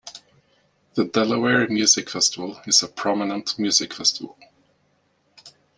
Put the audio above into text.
The Delaware Music Festival is a prominent music festival.